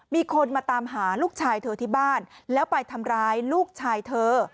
มีคนมาตามหาลูกชายเธอที่บ้านแล้วไปทำร้ายลูกชายเธอ